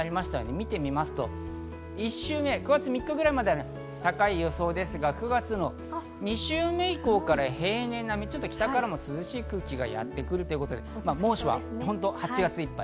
見てみますと９月３日までは高い予想ですが、９月の２週目以降から平年並み、北から涼しい空気がやってくるということで、猛暑は８月いっぱい。